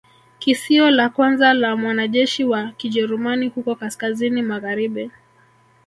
Kisio la kwanza la mwanajeshi wa Kijerumani huko kaskazini magharibi